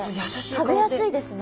食べやすいですね。